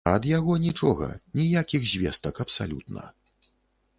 А ад яго нічога, ніякіх звестак абсалютна.